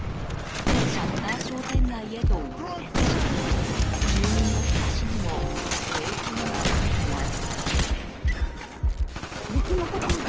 シャッター商店街へと一変し住民の暮らしにも影響が出ています。